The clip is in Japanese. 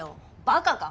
バカか？